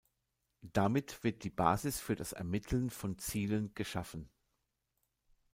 Damit wird die Basis für das Ermitteln von Zielen geschaffen.